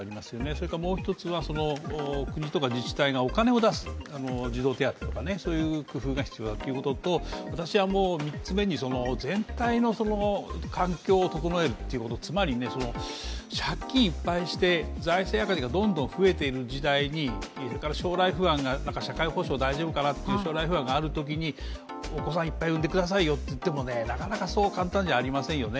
それからもう一つは国とか自治体がお金を出す、児童手当とか、そういう工夫が必要だということと、私は３つ目に全体の環境を整えるということつまり、借金いっぱいして財政赤字がどんどん増えている時代にそれから、社会保障が大丈夫かなという将来不安があるときにお子さんいっぱい産んでくださいよといっても、なかなかそんなに簡単じゃないですよね。